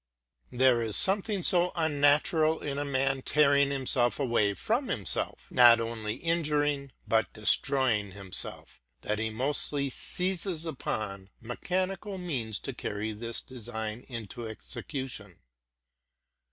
There is something so unnatural in a man tearing himself away from himself, not only injuring, but destroying, himself, that he mostly seizes upon mechanical means to. carry his design into execution.